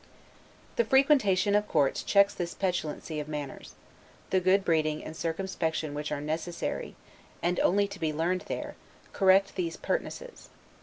The frequentation of courts checks this petulancy of manners; the good breeding and circumspection which are necessary, and only to be learned there, correct those pertnesses.